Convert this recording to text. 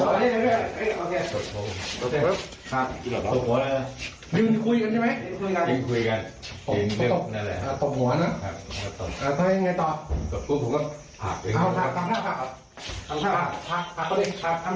มีเลือกกันมีเลือกกันฝ่าอังกฤษจะตบผม